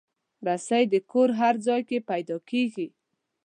رسۍ د کور هر ځای کې پیدا کېږي.